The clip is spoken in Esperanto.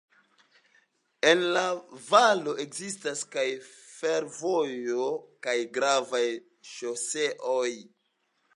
En la valo ekzistas kaj fervojo kaj gravaj ŝoseoj.